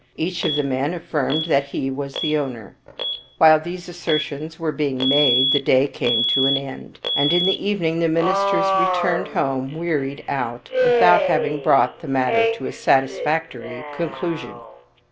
Each of the men affirmed that he was the owner. While these assertions were being made, the day came to an end, and in the evening the ministers re turned home wearied out, without having brought the mat ter to a satisfactory conclusion.